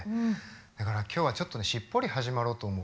だから今日はちょっとねしっぽり始まろうと思う。